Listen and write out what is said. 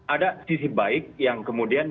ada sisi baik yang kemudian